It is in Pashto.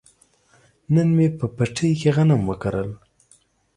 نن مې په پټي کې غنم وکرل.